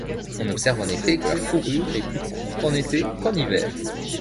On observe en effet que la fourrure est plus courte en été qu'en hiver.